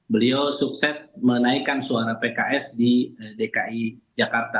beliau sukses menaikkan suara pks di dki jakarta